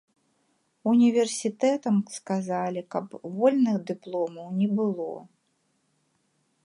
Універсітэтам сказалі, каб вольных дыпломаў не было.